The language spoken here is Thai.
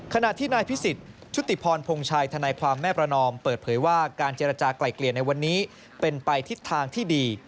ขณะที่นายพิสิทธิ์ชุติพรพงชัยธนายความแม่ประนอมเปิดเผยว่าการเจรจากลายเกลี่ยในวันนี้เป็นไปทิศทางที่ดี